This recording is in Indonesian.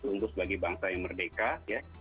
ungguh sebagai bangsa yang merdeka ya